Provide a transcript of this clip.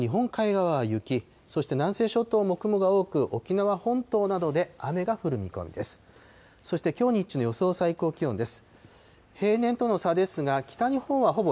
夜遅くになると、北海道の日本海側は雪、そして南西諸島も雲が多く、沖縄本島などで雨が降る見込みです。